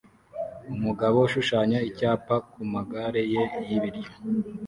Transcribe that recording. Umugabo ushushanya icyapa kumagare ye y'ibiryo